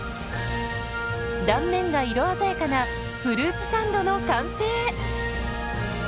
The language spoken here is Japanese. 断面が色鮮やかなフルーツサンドの完成。